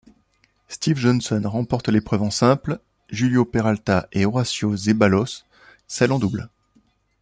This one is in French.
Steve Johnson remporte l'épreuve en simple, Julio Peralta et Horacio Zeballos celle en double.